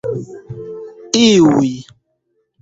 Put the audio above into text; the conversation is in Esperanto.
iuj